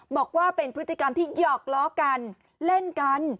บอกว่าเป็นพฤติกรรมที่หยอกล้อกันเล่นกัน